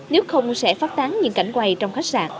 nếu không sẽ phát tán những cảnh quay trong khách sạn